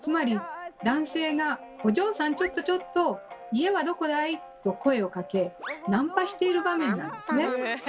ちょっとちょっと家はどこだい？」と声をかけナンパしている場面なんですね。